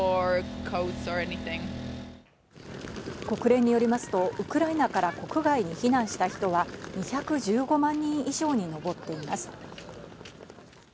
国連によりますと、ウクライナから国外に避難した人は２１５万人以上にのぼっています。